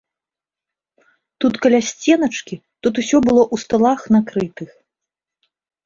Тут каля сценачкі, тут усё было ў сталах накрытых.